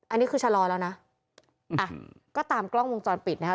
อันนี้คือชะลอแล้วนะอ่ะก็ตามกล้องวงจรปิดนะคะ